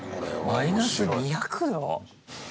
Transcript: マイナス２００℃？